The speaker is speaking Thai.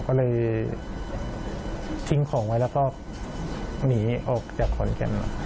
ก็เลยทิ้งของไว้แล้วก็หนีออกจากขอนแก่น